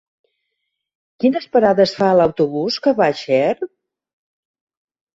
Quines parades fa l'autobús que va a Xert?